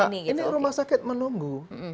kalau tidak ini rumah sakit menunggu